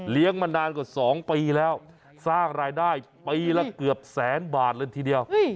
มานานกว่า๒ปีแล้วสร้างรายได้ปีละเกือบแสนบาทเลยทีเดียว